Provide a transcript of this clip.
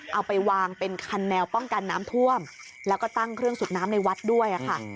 เอาไปวางเป็นคันแนวป้องกันน้ำท่วมแล้วก็ตั้งเครื่องสูบน้ำในวัดด้วยค่ะ